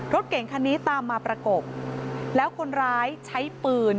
รถเก่งคันนี้ตามมาประกบแล้วคนร้ายใช้ปืน